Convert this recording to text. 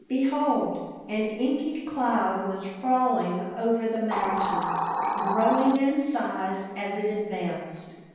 Behold! an inky cloud was crawling over the mountains, growing in size as it advanced.